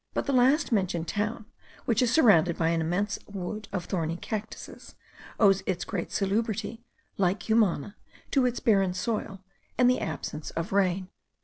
But the last mentioned town, which is surrounded by an immense wood of thorny cactuses, owes its great salubrity, like Cumana, to its barren soil and the absence of rain.